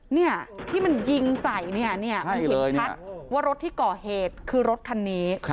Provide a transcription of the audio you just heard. นี่ที่มันยิงใส่มันเห็นชัดว่ารถที่ก่อเหตุคือรถคันนี้